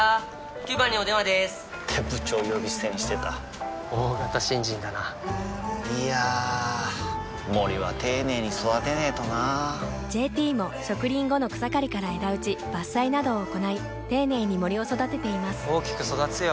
９番にお電話でーす！って部長呼び捨てにしてた大型新人だないやー森は丁寧に育てないとな「ＪＴ」も植林後の草刈りから枝打ち伐採などを行い丁寧に森を育てています大きく育つよ